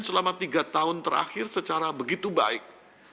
selama tiga tahun terakhir secara begitu baik